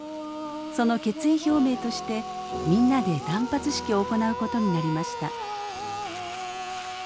その決意表明としてみんなで断髪式を行うことになりました。